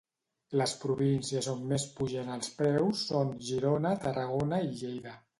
Les províncies on més pugen els preus són Girona, Tarragona i Lleida.